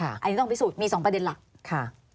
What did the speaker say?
อันนี้ต้องพิสูจน์มี๒ประเด็นหลักค่ะ